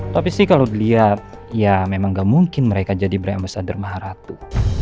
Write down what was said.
tapi sih kalau dia ya memang gak mungkin mereka jadi brand ambasader maharatu